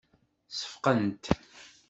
Seffqent.